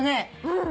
うん。